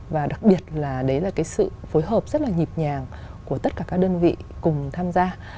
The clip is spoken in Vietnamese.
và đặc biệt là đấy là cái sự phối hợp rất là nhịp nhàng của tất cả các đơn vị cùng tham gia